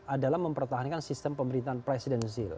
adalah mempertahankan sistem pemerintahan presidensil